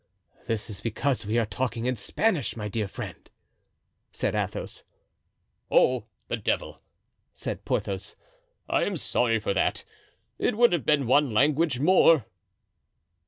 "That is because we are talking Spanish, my dear friend," said Athos. "Oh, the devil!" said Porthos, "I am sorry for that; it would have been one language more."